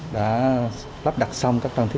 đã lắp đặt xong các trang trình